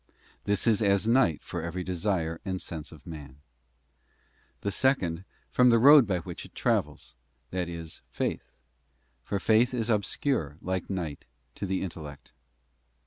This is as night for every desire and sense of man, The second, from the road by which it travels; that is faith, for faith is obscure, like night, to the intellect.